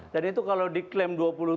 dan itu kalau diklaim dua puluh tujuh